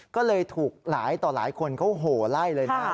ก็เลยถูกหลายต่อหลายคนเขาโหไล่เลยนะ